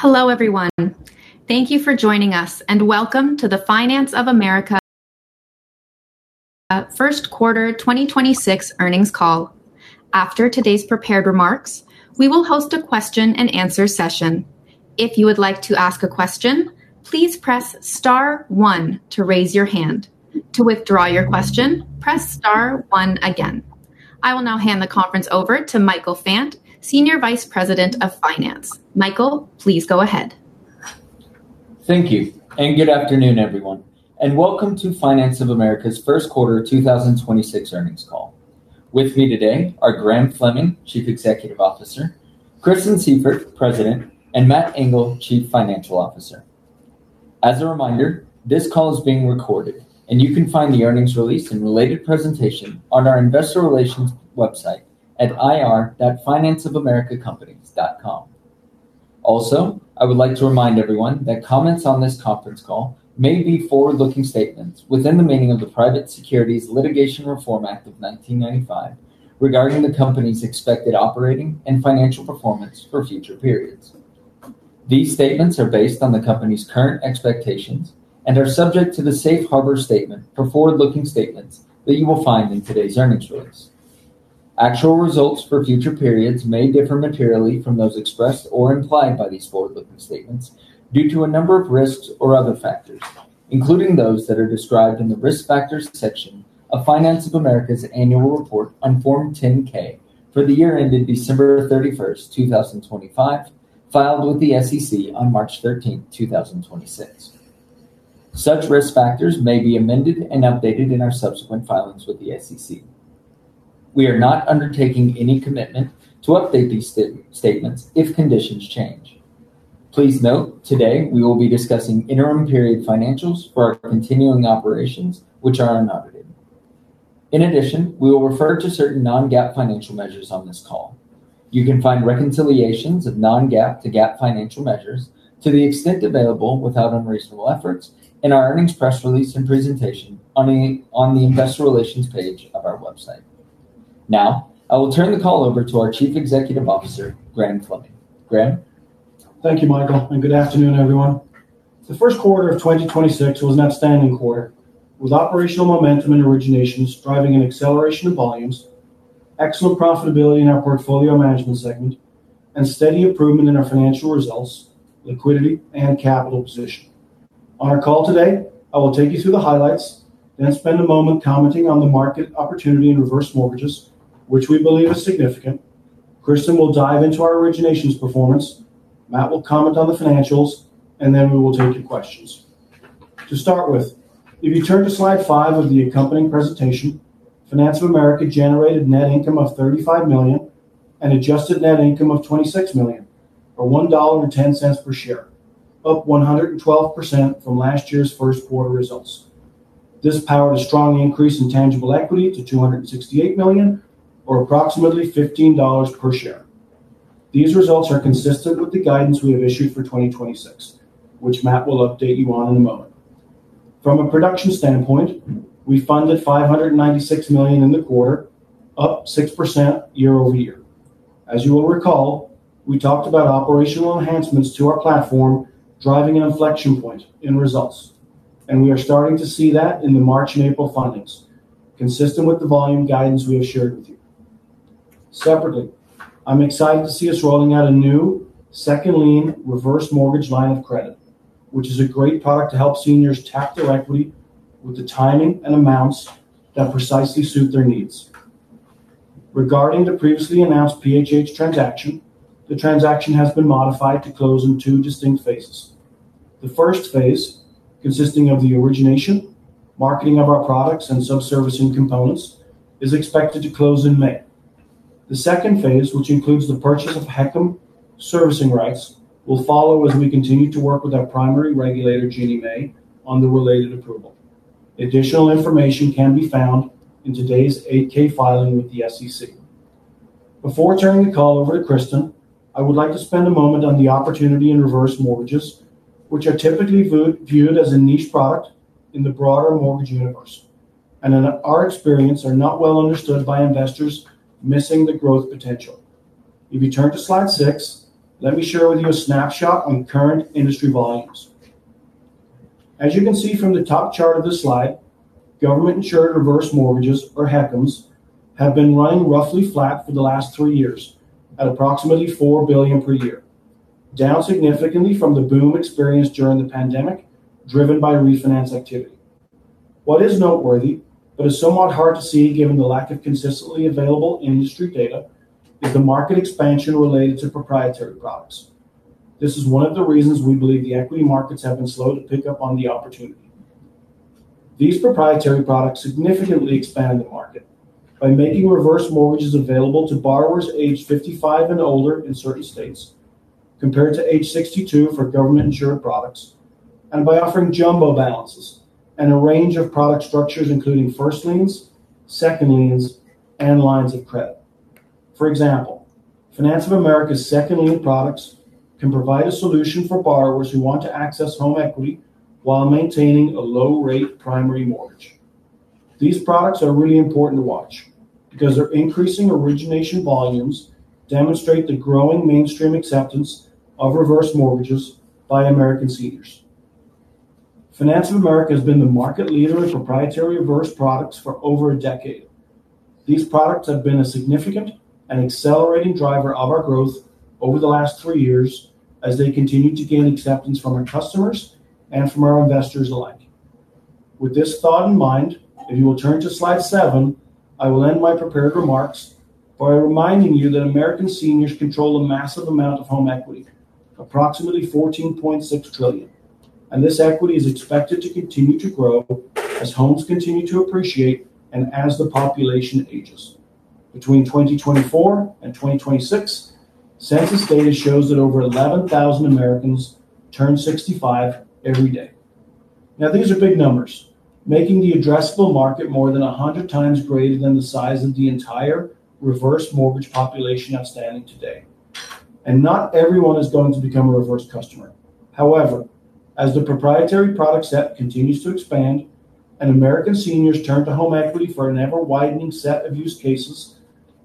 Hello, everyone. Thank you for joining us, and welcome to the Finance of America first quarter 2026 earnings call. After today's prepared remarks, we will host a question and answer session. If you would like to ask a question, please press star one to raise your hand. To withdraw your question, press star one again. I will now hand the conference over to Michael Fant, Senior Vice President of Finance. Michael, please go ahead. Thank you. Good afternoon, everyone, welcome to Finance of America's first quarter 2026 earnings call. With me today are Graham Fleming, Chief Executive Officer; Kristen Sieffert, President; and Matt Engel, Chief Financial Officer. As a reminder, this call is being recorded. You can find the earnings release and related presentation on our investor relations website at ir.financeofamericacompanies.com. Also, I would like to remind everyone that comments on this conference call may be forward-looking statements within the meaning of the Private Securities Litigation Reform Act of 1995 regarding the company's expected operating and financial performance for future periods. These statements are based on the company's current expectations and are subject to the safe harbor statement for forward-looking statements that you will find in today's earnings release. Actual results for future periods may differ materially from those expressed or implied by these forward-looking statements due to a number of risks or other factors, including those that are described in the Risk Factors section of Finance of America's Annual Report on Form 10-K for the year ended December 31st, 2025, filed with the SEC on March 13th, 2026. Such risk factors may be amended and updated in our subsequent filings with the SEC. We are not undertaking any commitment to update these statements if conditions change. Please note, today we will be discussing interim period financials for our continuing operations, which are unaudited. In addition, we will refer to certain non-GAAP financial measures on this call. You can find reconciliations of non-GAAP to GAAP financial measures to the extent available without unreasonable efforts in our earnings press release and presentation on the investor relations page of our website. Now, I will turn the call over to our Chief Executive Officer, Graham Fleming. Graham? Thank you, Michael, and good afternoon, everyone. The first quarter of 2026 was an outstanding quarter with operational momentum and originations driving an acceleration of volumes, excellent profitability in our portfolio management segment, and steady improvement in our financial results, liquidity, and capital position. On our call today, I will take you through the highlights, then spend a moment commenting on the market opportunity in reverse mortgages, which we believe is significant. Kristen will dive into our originations performance. Matt will comment on the financials, and then we will take your questions. To start with, if you turn to slide five of the accompanying presentation, Finance of America generated net income of $35 million and adjusted net income of $26 million, or $1.10 per share, up 112% from last year's first quarter results. This powered a strong increase in tangible equity to $268 million or approximately $15 per share. These results are consistent with the guidance we have issued for 2026, which Matt will update you on in a moment. From a production standpoint, we funded $596 million in the quarter, up 6% year-over-year. As you will recall, we talked about operational enhancements to our platform driving an inflection point in results, and we are starting to see that in the March and April fundings, consistent with the volume guidance we have shared with you. Separately, I'm excited to see us rolling out a new second lien reverse mortgage line of credit, which is a great product to help seniors tap their equity with the timing and amounts that precisely suit their needs. Regarding the previously announced PHH transaction, the transaction has been modified to close in two distinct phases. The first phase, consisting of the origination, marketing of our products, and sub-servicing components, is expected to close in May. The second phase, which includes the purchase of HECM servicing rights, will follow as we continue to work with our primary regulator, Ginnie Mae, on the related approval. Additional information can be found in today's 8-K filing with the SEC. Before turning the call over to Kristen, I would like to spend a moment on the opportunity in reverse mortgages, which are typically viewed as a niche product in the broader mortgage universe, and in our experience, are not well understood by investors missing the growth potential. If you turn to slide six, let me share with you a snapshot on current industry volumes. As you can see from the top chart of this slide, government-insured reverse mortgages or HECMs have been running roughly flat for the last three years at approximately $4 billion per year, down significantly from the boom experienced during the pandemic driven by refinance activity. What is noteworthy but is somewhat hard to see given the lack of consistently available industry data is the market expansion related to proprietary products. This is one of the reasons we believe the equity markets have been slow to pick up on the opportunity. These proprietary products significantly expand the market by making reverse mortgages available to borrowers aged 55 and older in certain states, compared to age 62 for government-insured products, and by offering jumbo balances and a range of product structures, including first liens, second liens, and lines of credit. For example, Finance of America's second lien products can provide a solution for borrowers who want to access home equity while maintaining a low-rate primary mortgage. These products are really important to watch because their increasing origination volumes demonstrate the growing mainstream acceptance of reverse mortgages by American seniors. Finance of America has been the market leader in proprietary reverse products for over a decade. These products have been a significant and accelerating driver of our growth over the last three years as they continue to gain acceptance from our customers and from our investors alike. With this thought in mind, if you will turn to slide seven, I will end my prepared remarks by reminding you that American seniors control a massive amount of home equity, approximately $14.6 trillion. This equity is expected to continue to grow as homes continue to appreciate and as the population ages. Between 2024 and 2026, census data shows that over 11,000 Americans turn 65 every day. Now these are big numbers, making the addressable market more than 100 times greater than the size of the entire reverse mortgage population outstanding today. And not everyone is going to become a reverse customer. However, as the proprietary product set continues to expand and American seniors turn to home equity for an ever-widening set of use cases,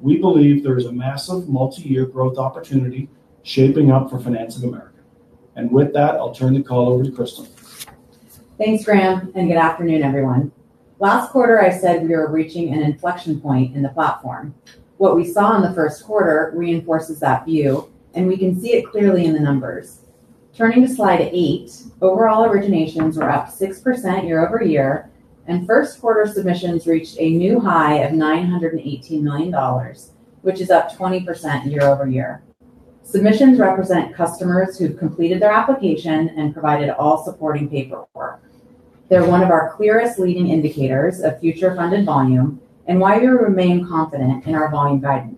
we believe there is a massive multi-year growth opportunity shaping up for Finance of America. And with that, I'll turn the call over to Kristen. Thanks, Graham, and good afternoon, everyone. Last quarter, I said we were reaching an inflection point in the platform. What we saw in the first quarter reinforces that view, and we can see it clearly in the numbers. Turning to slide eight, overall originations were up 6% year-over-year, and first quarter submissions reached a new high of $918 million, which is up 20% year-over-year. Submissions represent customers who've completed their application and provided all supporting paperwork. They're one of our clearest leading indicators of future funded volume and why we remain confident in our volume guidance.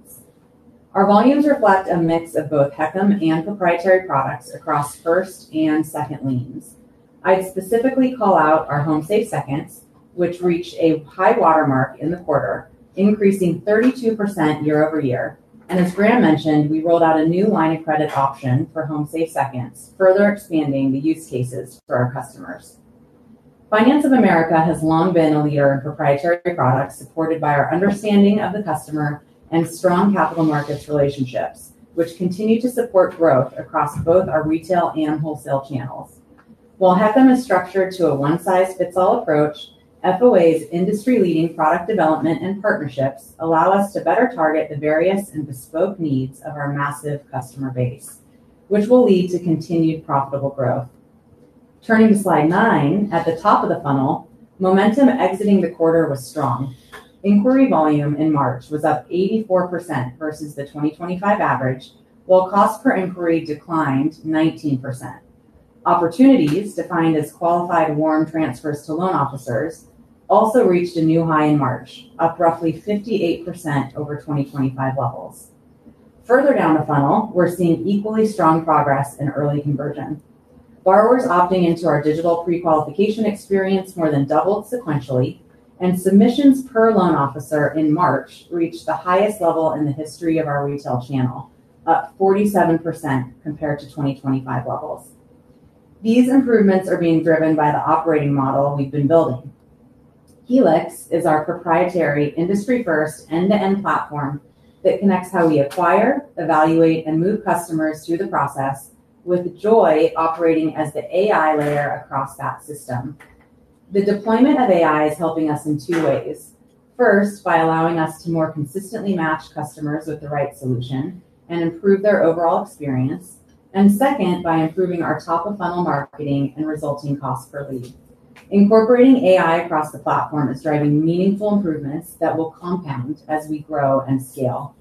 Our volumes reflect a mix of both HECM and proprietary products across first and second liens. I specifically call out our HomeSafe Second, which reached a high watermark in the quarter, increasing 32% year-over-year. As Graham mentioned, we rolled out a new line of credit option for HomeSafe Second, further expanding the use cases for our customers. Finance of America has long been a leader in proprietary products supported by our understanding of the customer and strong capital markets relationships, which continue to support growth across both our retail and wholesale channels. While HECM is structured to a one-size-fits-all approach, FOA's industry-leading product development and partnerships allow us to better target the various and bespoke needs of our massive customer base, which will lead to continued profitable growth. Turning to slide nine, at the top of the funnel, momentum exiting the quarter was strong. Inquiry volume in March was up 84% versus the 2025 average, while cost per inquiry declined 19%. Opportunities defined as qualified warm transfers to loan officers also reached a new high in March, up roughly 58% over 2025 levels. Further down the funnel, we're seeing equally strong progress in early conversion. Borrowers opting into our digital prequalification experience more than doubled sequentially, and submissions per loan officer in March reached the highest level in the history of our retail channel, up 47% compared to 2025 levels. These improvements are being driven by the operating model we've been building. HELOCs is our proprietary industry first end-to-end platform that connects how we acquire, evaluate, and move customers through the process with Joy operating as the AI layer across that system. The deployment of AI is helping us in two ways. First, by allowing us to more consistently match customers with the right solution and improve their overall experience. Second, by improving our top-of-funnel marketing and resulting cost per lead. Incorporating AI across the platform is driving meaningful improvements that will compound as we grow and scale.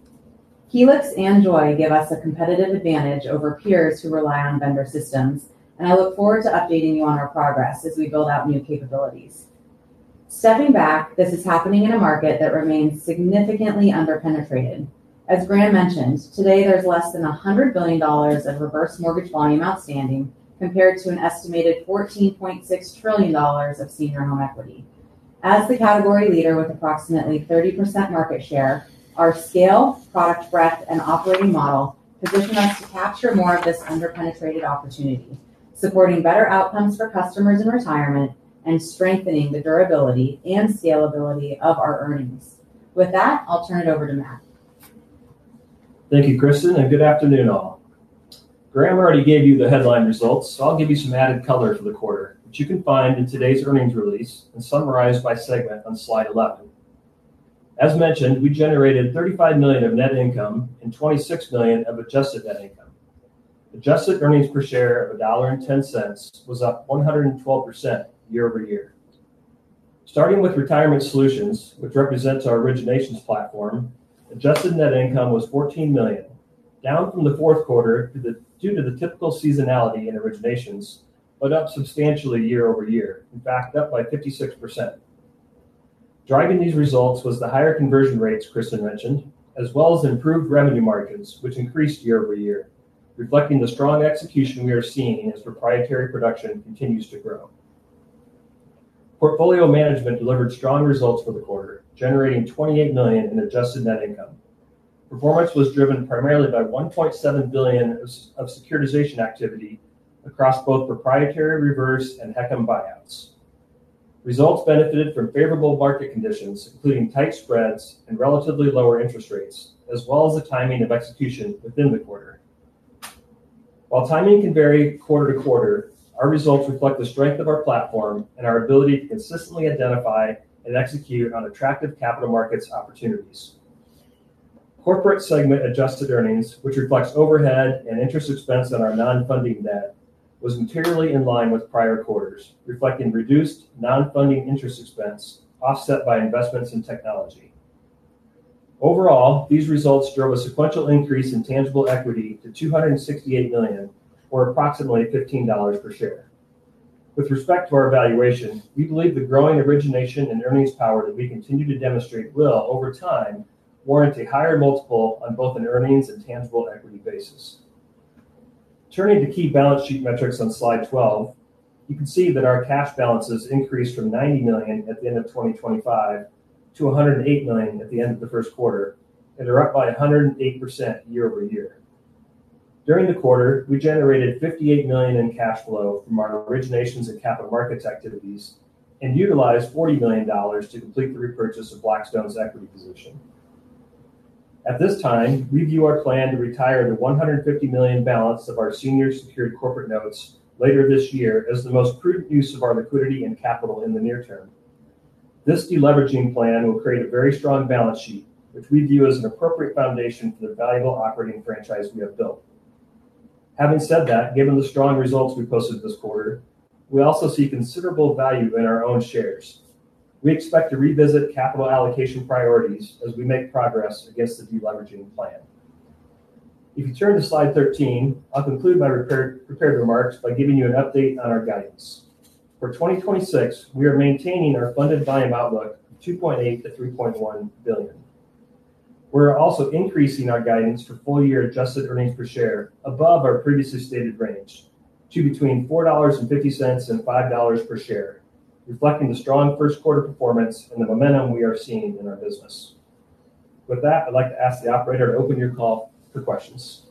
HELOCs and Joy give us a competitive advantage over peers who rely on vendor systems, and I look forward to updating you on our progress as we build out new capabilities. Stepping back, this is happening in a market that remains significantly under-penetrated. As Graham mentioned, today, there's less than $100 billion of reverse mortgage volume outstanding, compared to an estimated $14.6 trillion of senior home equity. As the category leader with approximately 30% market share, our scale, product breadth, and operating model position us to capture more of this under-penetrated opportunity, supporting better outcomes for customers in retirement and strengthening the durability and scalability of our earnings. With that, I'll turn it over to Matt. Thank you, Kristen, and good afternoon all. Graham already gave you the headline results, so I'll give you some added color for the quarter, which you can find in today's earnings release and summarized by segment on slide 11. As mentioned, we generated $35 million of net income and $26 million of adjusted net income. Adjusted earnings per share of $1.10 was up 112% year-over-year. Starting with retirement solutions, which represents our originations platform, adjusted net income was $14 million, down from the fourth quarter due to the typical seasonality in originations, but up substantially year-over-year, in fact, up by 56%. Driving these results was the higher conversion rates Kristen mentioned, as well as improved revenue margins, which increased year-over-year, reflecting the strong execution we are seeing as proprietary production continues to grow. Portfolio management delivered strong results for the quarter, generating $28 million in adjusted net income. Performance was driven primarily by $1.7 billion of securitization activity across both proprietary, reverse, and HECM buyouts. Results benefited from favorable market conditions, including tight spreads and relatively lower interest rates, as well as the timing of execution within the quarter. While timing can vary quarter-to-quarter, our results reflect the strength of our platform and our ability to consistently identify and execute on attractive capital markets opportunities. Corporate segment adjusted earnings, which reflects overhead and interest expense on our non-funding debt, was materially in line with prior quarters, reflecting reduced non-funding interest expense offset by investments in technology. Overall, these results drove a sequential increase in tangible equity to $268 million or approximately $15 per share. With respect to our evaluation, we believe the growing origination and earnings power that we continue to demonstrate will, over time, warrant a higher multiple on both an earnings and tangible equity basis. Turning to key balance sheet metrics on slide 12, you can see that our cash balances increased from $90 million at the end of 2025 to $108 million at the end of the first quarter, and they're up by 108% year-over-year. During the quarter, we generated $58 million in cash flow from our originations and capital markets activities and utilized $40 million to complete the repurchase of Blackstone's equity position. At this time, we view our plan to retire the $150 million balance of our senior secured corporate notes later this year as the most prudent use of our liquidity and capital in the near term. This de-leveraging plan will create a very strong balance sheet, which we view as an appropriate foundation for the valuable operating franchise we have built. Having said that, given the strong results we posted this quarter, we also see considerable value in our own shares. We expect to revisit capital allocation priorities as we make progress against the de-leveraging plan. If you turn to slide 13, I'll conclude my prepared remarks by giving you an update on our guidance. For 2026, we are maintaining our funded volume outlook from $2.8 billion-$3.1 billion. We're also increasing our guidance for full year adjusted earnings per share above our previously stated range to between $4.50 and $5 per share, reflecting the strong first quarter performance and the momentum we are seeing in our business. With that, I'd like to ask the operator to open your call for questions.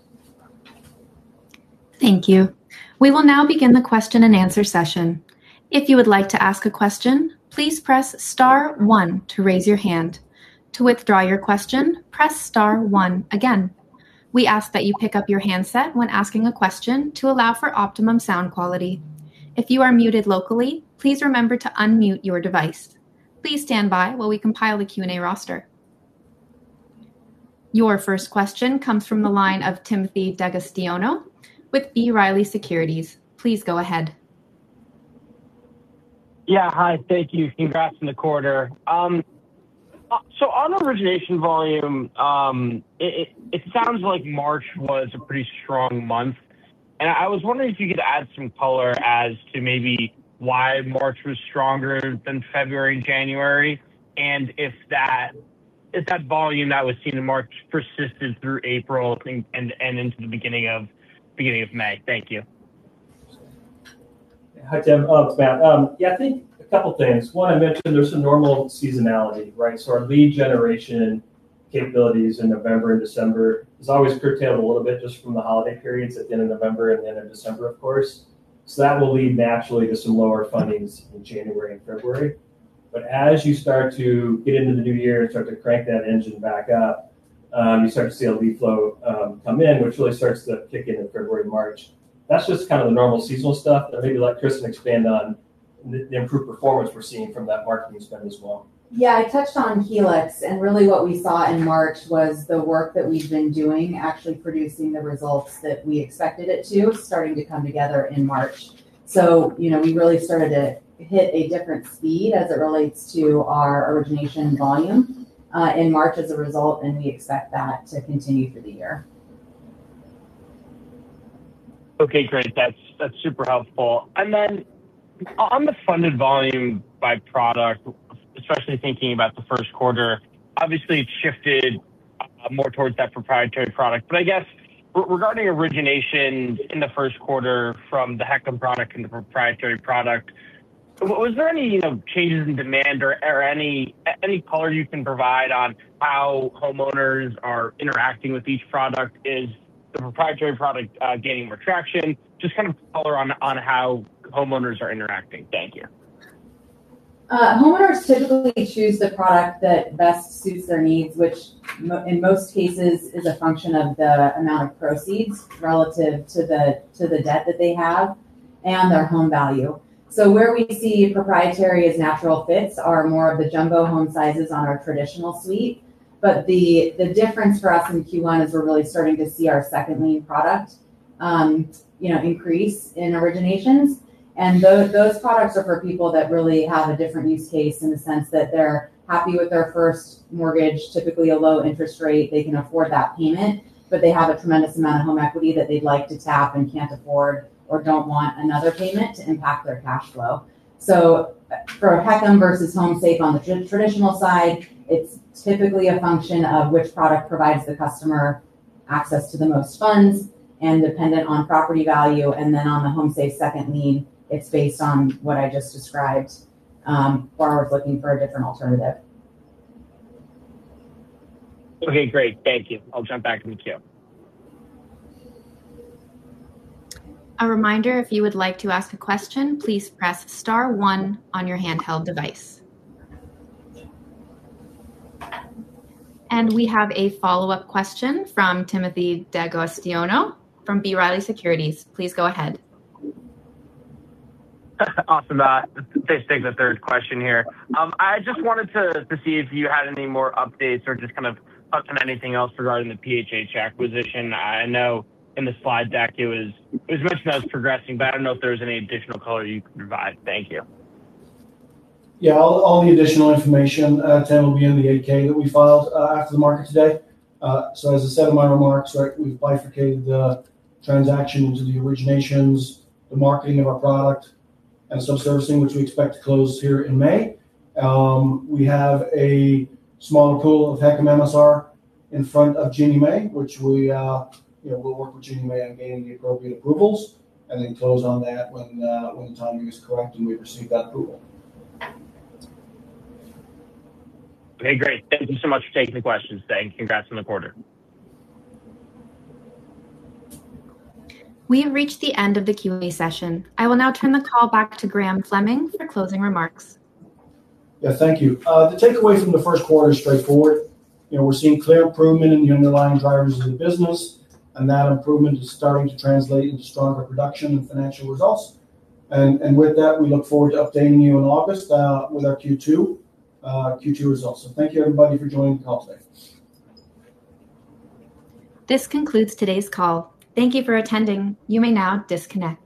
Thank you. We will now begin the question-and-answer session. If you would like to ask a question, please press star one to raise your hand. To withdraw your question, press star one again. We ask that you pick up your handset when asking a question to allow for optimum sound quality. If you are muted locally, please remember to unmute your device. Please stand by while we compile the Q&A roster. Your first question comes from the line of Timothy D'Agostino with B. Riley Securities. Please go ahead. Yeah. Hi. Thank you. Congrats on the quarter. On origination volume, it sounds like March was a pretty strong month, and I was wondering if you could add some color as to maybe why March was stronger than February and January and if that volume that was seen in March persisted through April and into the beginning of May. Thank you. Hi, Tim. It's Matt. Yeah, I think a couple things. One, I mentioned there's some normal seasonality, right? Our lead generation capabilities in November and December is always curtailed a little bit just from the holiday periods at the end of November and the end of December, of course, so that will lead naturally to some lower fundings in January and February. As you start to get into the new year and start to crank that engine back up, you start to see a lead flow come in which really starts to kick in in February, March. That's just kind of the normal seasonal stuff. Maybe let Kristen expand on the improved performance we're seeing from that marketing spend as well. Yeah. I touched on HELOCs, and really what we saw in March was the work that we've been doing actually producing the results that we expected it to starting to come together in March. So, you know, we really started to hit a different speed as it relates to our origination volume in March as a result, and we expect that to continue through the year. Okay, great. That's, that's super helpful. And then, on the funded volume by product, especially thinking about the first quarter, obviously, it's shifted, more towards that proprietary product. But I guess regarding origination in the first quarter from the HECM product and the proprietary product, was there any, you know, changes in demand or any color you can provide on how homeowners are interacting with each product? Is the proprietary product, gaining more traction? Just kind of color on how homeowners are interacting. Thank you. Homeowners typically choose the product that best suits their needs, which in most cases is a function of the amount of proceeds relative to the, to the debt that they have and their home value. So where we see proprietary as natural fits are more of the jumbo home sizes on our traditional suite. But the, the difference for us in Q1 is we're really starting to see our second lien product, you know, increase in originations. And those products are for people that really have a different use case in the sense that they're happy with their first mortgage, typically a low interest rate. They can afford that payment, but they have a tremendous amount of home equity that they'd like to tap and can't afford or don't want another payment to impact their cash flow. So, for a HECM versus HomeSafe on the traditional side, it's typically a function of which product provides the customer access to the most funds and dependent on property value. And then on the HomeSafe Second lien, it's based on what I just described, borrowers looking for a different alternative. Okay, great. Thank you. I'll jump back to queue. A reminder, if you would like to ask a question, please press star one on your handheld device. And we have a follow-up question from Timothy D'Agostino from B. Riley Securities. Please go ahead. Awesome. Just take the third question here. I just wanted to see if you had any more updates or just kind of touch on anything else regarding the PHH acquisition. I know in the slide deck it was mentioned as progressing, but I don't know if there was any additional color you could provide. Thank you. All the additional information, Tim, will be in the 8-K that we filed after the market today. So as I said in my remarks, right? We've bifurcated the transaction into the originations, the marketing of our product, and some servicing which we expect to close here in May. We have a smaller pool of HECM MSR in front of Ginnie Mae, which we, you know, we'll work with Ginnie Mae on gaining the appropriate approvals and then close on that when the timing is correct and we've received that approval. Okay. Great. Thank you so much for taking the questions today, and congrats on the quarter. We have reached the end of the Q&A session. I will now turn the call back to Graham Fleming for closing remarks. Yeah, thank you. The takeaway from the first quarter is straightforward. You know, we're seeing clear improvement in the underlying drivers of the business, and that improvement is starting to translate into stronger production and financial results. And with that, we look forward to updating you in August with our Q2 results. So thank you, everybody, for joining the call today. This concludes today's call. Thank you for attending. You may now disconnect.